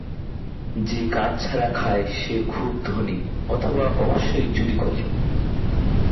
যে কাজ ছাড়া খায়, সে খুব ধনী, অথবা অবশ্যই চুরি করে।